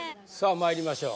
まいりましょう